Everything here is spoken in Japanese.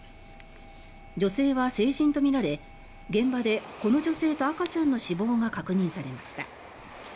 女性は成人とみられ現場で、この女性と赤ちゃんの死亡が確認されました。